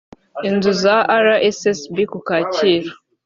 inzu za rssb ku kacyiru